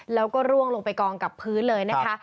แล้วก็ร่วงลงไปกองกับพื้นเลยนะคะ